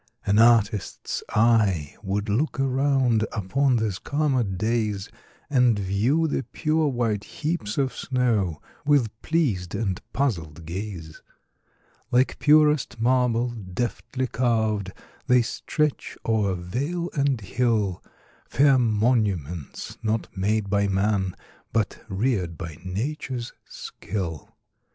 An artist's eye would look around, Upon these calmer days, And view the pure white heaps of snow, With pleas'd and puzzl'd gaze. Like purest marble, deftly carv'd, They stretch o'er vale and hill, Fair monuments, not made by man, But rear'd by nature's skill.